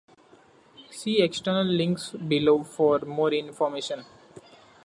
See external links below for more information.